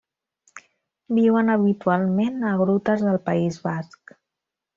Viuen habitualment a grutes del País basc.